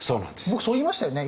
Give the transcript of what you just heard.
僕そう言いましたよね？